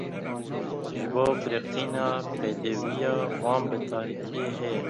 Ji bo biriqînê pêdiviya wan bi tarîtiyê heye.